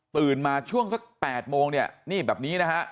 มาช่วงสัก๘โมงเนี่ยนี่แบบนี้นะฮะ